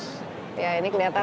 ya ini kelihatan memang lumayan ya